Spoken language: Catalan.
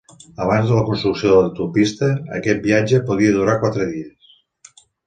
Abans de la construcció de l'autopista, aquest viatge podia durar quatre dies.